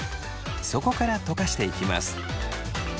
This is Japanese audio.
そこからとかしていきます。